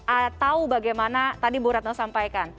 atau bagaimana tadi bu retno sampaikan